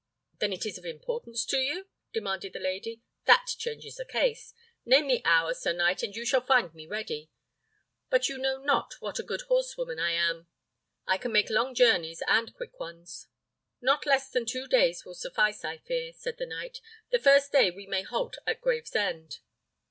"Then it is of importance to you?" demanded the lady; "that changes the case. Name the hour, sir knight, and you shall find me ready. But you know not what a good horsewoman I am; I can make long journeys and quick ones." "Not less than two days will suffice, I fear," said the knight; "the first day we may halt at Gravesend."